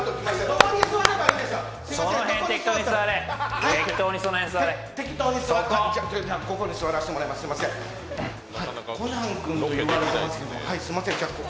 どこに座ればいいんでしょう？